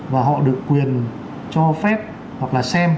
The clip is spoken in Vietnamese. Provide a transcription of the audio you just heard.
và họ được quyền cho phép hoặc là xem